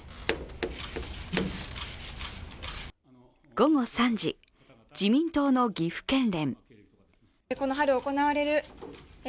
午後３時、自民党の岐阜県連。